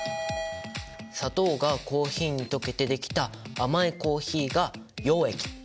砂糖がコーヒーに溶けてできた甘いコーヒーが溶液。